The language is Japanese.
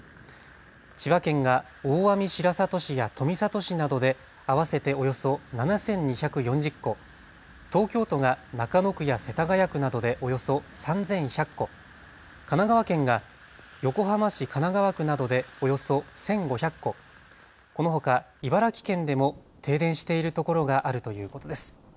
千葉県が大網白里市や富里市などで合わせておよそ７２４０戸、東京都が中野区や世田谷区などでおよそ３１００戸、神奈川県が横浜市神奈川区などでおよそ１５００戸、このほか茨城県でも停電しているところがあるということです。